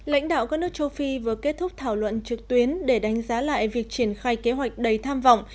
lãnh đạo các nước châu phi vừa kết thúc thảo luận trực tuyến để đánh giá lại việc triển khai kế hoạch đầy tham vọng